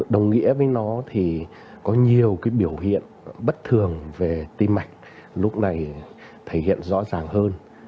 đồng nghĩa với nó thì có nhiều cái biểu hiện bất thường về tim mạch lúc này thể hiện rõ ràng hơn